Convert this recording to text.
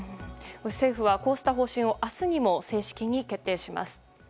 政府はこうした方針を明日にも正式に決定します。